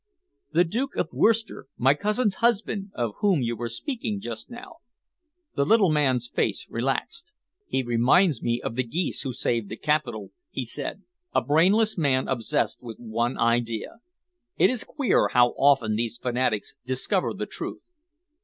"The Duke of Worcester, my cousin's husband, of whom you were speaking just now." The little man's face relaxed. "He reminds me of the geese who saved the Capitol," he said, "a brainless man obsessed with one idea. It is queer how often these fanatics discover the truth.